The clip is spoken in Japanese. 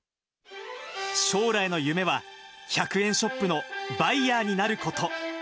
将来の夢は１００円ショップのバイヤーになること。